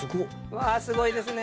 わあすごいですね